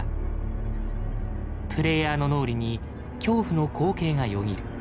プレイヤーの脳裏に恐怖の光景がよぎる。